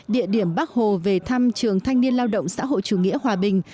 địa điểm bắc hồ về thăm trường thanh niên lao động xã hội chủ nghĩa hòa bình